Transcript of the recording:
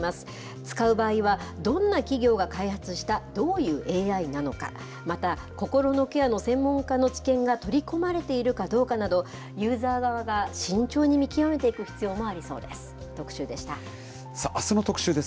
使う場合は、どんな企業が開発したどういうＡＩなのか、また、心のケアの専門家の知見が取り込まれているかどうかなど、ユーザー側が慎重に見極めていく必要もありそうです。